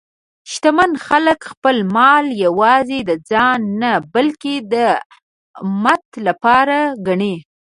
شتمن خلک خپل مال یوازې د ځان نه، بلکې د امت لپاره ګڼي.